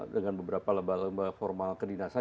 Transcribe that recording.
dengan beberapa lembaga lembaga formal kedinasan